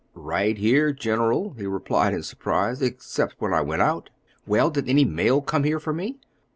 "Right here, General," he replied in surprise, "except when I went out." "Well; did any mail come here for me?"